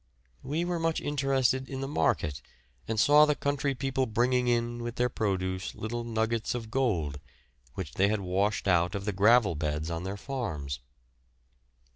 We were much interested in the market, and saw the country people bring in with their produce little nuggets of gold, which they had washed out of the gravel beds on their farms.